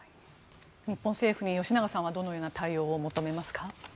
日本政府に吉永さんはどのような対応を求めますか。